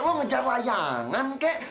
lo ngejar layangan kek